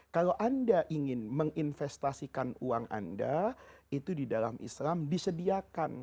kalau anda ingin menginvestasikan uang anda itu di dalam islam disediakan